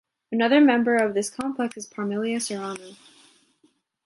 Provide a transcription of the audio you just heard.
Another member of this complex is "Parmelia serrana".